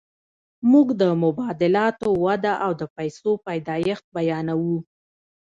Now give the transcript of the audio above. موږ د مبادلاتو وده او د پیسو پیدایښت بیانوو